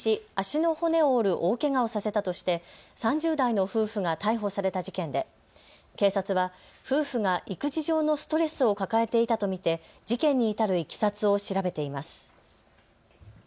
ことし２月、埼玉県上尾市で生後２か月の次男を逆さづりにし足の骨を折る大けがをさせたとして３０代の夫婦が逮捕された事件で警察は夫婦が育児上のストレスを抱えていたと見て事件に至るいきさつを調べています。